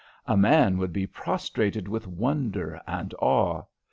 A man would be prostrated with wonder and awe.